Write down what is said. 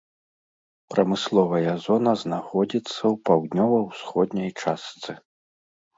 Прамысловая зона знаходзіцца ў паўднёва-ўсходняй частцы.